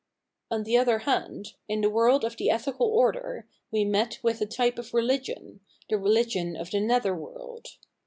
On the other hand, in the world of the Ethical Order, we met with a type of religion, the rehgion of the nether world.